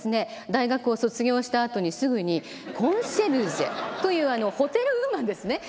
大学を卒業したあとにすぐにコンシェルジェというホテルウーマンですね